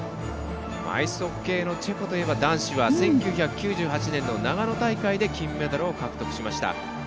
アイスホッケーのチェコといえば男子は１９９８年の長野大会で金メダルを獲得しました。